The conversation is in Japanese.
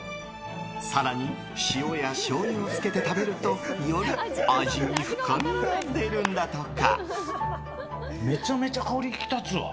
更に塩やしょうゆをつけて食べるとより味に深みが出るんだとか。